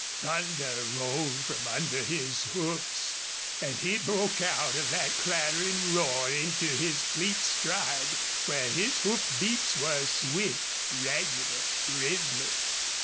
Thunder rolled from under his hoofs. And he broke out of that clattering roar into his fleet stride, where his hoof beats were swift, regular, rhythmic.